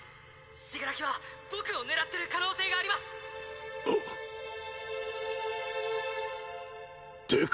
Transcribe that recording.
死柄木は僕を狙ってる可能性がありますデク？